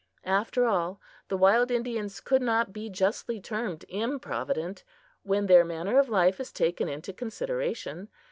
After all, the wild Indians could not be justly termed improvident, when their manner of life is taken into consideration.